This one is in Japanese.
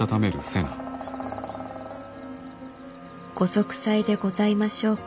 「ご息災でございましょうか？